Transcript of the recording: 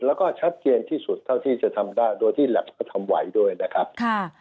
แล้วก็ชัดเจนที่สุดเท่าที่จะทำได้โดยที่แล็บก็ทำไหวด้วยนะครับค่ะ